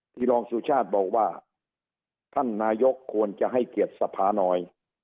ที่รองเศรษฐ์บอกว่าท่านนายกควรจะให้เกียจสภาหน่อย